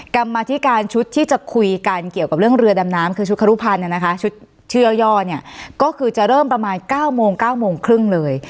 กรรมธิการชุดที่จะคุยกันเกี่ยวกับเรื่องเรือดำน้ำคือชุดครุพันธ์ชุดเชื่อย่อเนี่ยก็คือจะเริ่มประมาณ๙โมง๙โมงครึ่งเลย